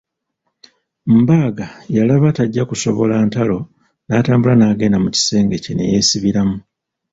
Mbaaga yalaba tajja kusobola ntalo n'atambula n'agenda mu kisenge kye ne yeesibiramu.